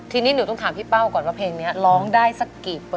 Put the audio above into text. ทีนี้หนูต้องถามพี่เป้าก่อนว่าเพลงนี้ร้องได้สักกี่เปอร์